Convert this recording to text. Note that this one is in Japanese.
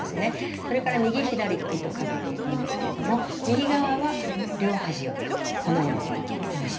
それから右左と糸をかけていくんですけれども右側は両端をこのように通してす。